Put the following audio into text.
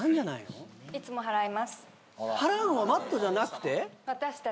払うのはＭａｔｔじゃなくて？